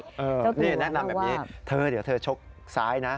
รู้ว่าว่าแช่แช่นี้แนะนำอย่างนี้เดี๋ยวเธอชกซ้ายนะ